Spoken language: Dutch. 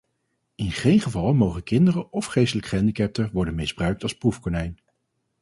In geen geval mogen kinderen of geestelijk gehandicapten worden misbruikt als proefkonijn.